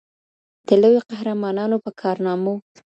د لویو قهرمانانو په کارنامو